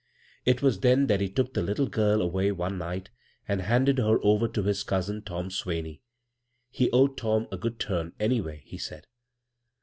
It was then that he took the Htde girl away one night and handed her over to his cousin, Tom Swan^. He owed Tom a good turn, anyway, he said.